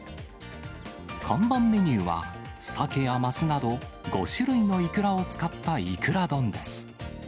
看板メニューは、サケやマスなど５種類のイクラを使ったイクラ丼です。